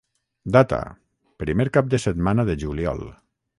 Data: primer cap de setmana de juliol.